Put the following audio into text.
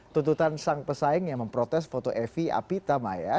tuntutan sang pesaing yang memprotes foto evi apitamaya